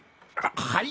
はい？